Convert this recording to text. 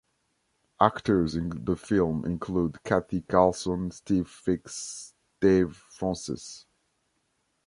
Actors in the film include Cathy Carlson, Steve Fix, Dave Fraunces.